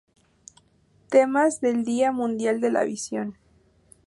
Temas del Día Mundial de la Visión